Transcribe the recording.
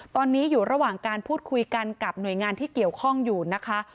ตอนนี้อยู่ระหว่างการพูดคุยกันกับหน่วยงานที่เกี่ยวข้องอยู่นะคะ